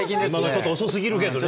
ちょっと遅すぎるけどね。